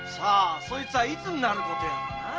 そいつはいつになることやら。